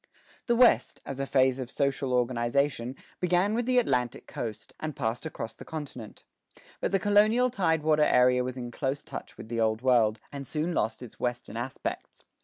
The West, as a phase of social organization, began with the Atlantic coast, and passed across the continent. But the colonial tide water area was in close touch with the Old World, and soon lost its Western aspects.